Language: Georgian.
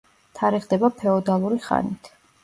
თარიღდება ფეოდალური ხანით.